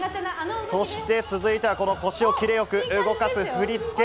そして続いてはこの腰をキレよく動かす振り付け。